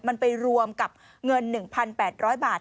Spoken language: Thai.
มันไปรวมกับเงิน๑๘๐๐บาท